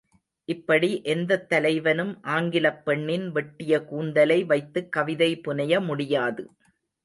இப்படி எந்தத் தலைவனும் ஆங்கிலப் பெண்ணின் வெட்டிய கூந்தலை வைத்துக் கவிதை புனைய முடியாது.